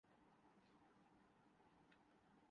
جب انقلاب کا بھوت سر پہ سوار تھا۔